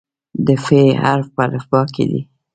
د "ف" حرف په الفبا کې دی.